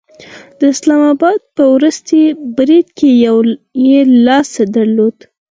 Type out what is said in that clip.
د اسلام آباد په وروستي برید کې یې لاس درلود